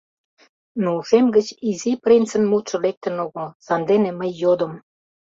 Но ушем гыч Изи принцын мутшо лектын огыл, сандене мый йодым: